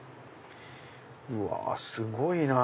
うわすごいなぁ！